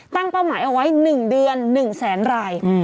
เป้าหมายเอาไว้๑เดือน๑แสนราย